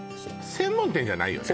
専門店じゃないよね？